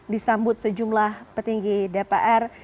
disambut sejumlah petinggi dpr mpr dan juga dpd